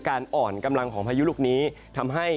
อ่อนกำลังของพายุลูกนี้ทำให้